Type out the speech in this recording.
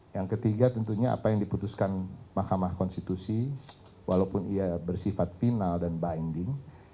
yang ketiga tentunya apa yang diputuskan mahkamah konstitusi walaupun ia bersifat final dan binding